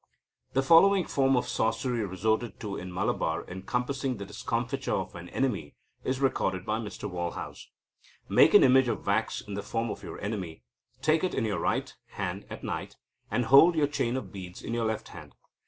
The following form of sorcery resorted to in Malabar in compassing the discomfiture of an enemy is recorded by Mr Walhouse. "Make an image of wax in the form of your enemy; take it in your right hand at night, and hold your chain of beads in your left hand.